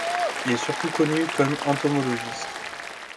Il est surtout connu comme entomologiste.